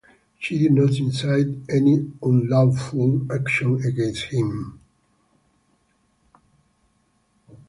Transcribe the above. She did not incite any unlawful action against him.